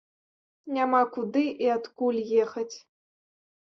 Няма куды і адкуль ехаць.